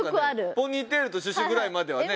『ポニーテールとシュシュ』ぐらいまではね。